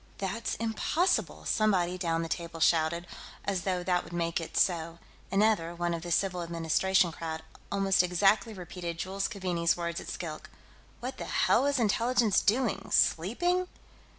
"That's impossible!" somebody down the table shouted, as though that would make it so. Another one of the civil administration crowd almost exactly repeated Jules Keaveney's words at Skilk: "What the hell was Intelligence doing, sleeping?"